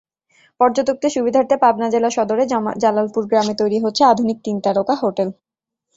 পর্যটকদের সুবিধার্থে পাবনা জেলা সদরে জালালপুর গ্রামে তৈরি হচ্ছে আধুনিক তিন তারকা হোটেল।